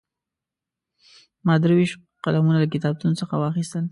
ما درې ویشت قلمونه له کتابتون څخه واخیستل.